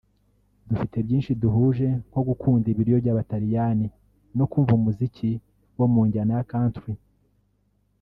Dufite byinshi duhuje nko gukunda ibiryo by’Abataliyani no kumva umuziki wo mu njyana ya Country